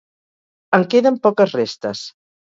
En queden poques restes.